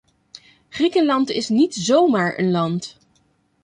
Griekenland is niet zomaar een land.